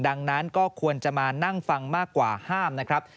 ดังนั้นก็ควรจะมานั่งฟังมากกว่าห้ามนะครับ